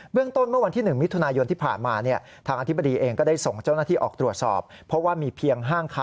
เบื้องต้นเมื่อวันที่๑มิตรทุนายนที่ผ่านมาเนี่ย